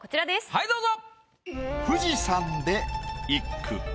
はいどうぞ。